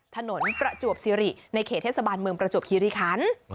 ประจวบซิริในเขตเทศบาลเมืองประจวบคิริคัน